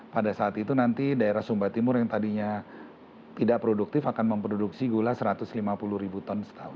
pada saat itu nanti daerah sumba timur yang tadinya tidak produktif akan memproduksi gula satu ratus lima puluh ribu ton setahun